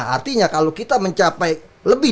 artinya kalau kita mencapai lebih